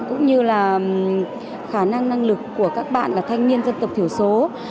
cũng như là khả năng năng lực của các bạn là thanh niên dân tộc thiểu số